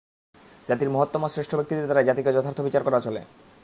জাতির মহত্তম ও শ্রেষ্ঠ ব্যক্তিদের দ্বারাই জাতিকে যথার্থ বিচার করা চলে।